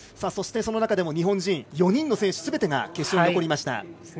そして、その中でも日本人４人の選手がすべて決勝に残りました。